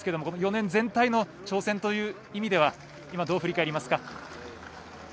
この４年全体の挑戦という意味では今、どう振り返りますか？